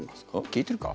聞いてるか？